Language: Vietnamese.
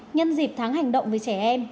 nhân dịp tháng hành động với trẻ em